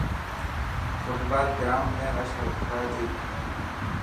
فٽبال گروائنڊ ۾ رش هئي تي.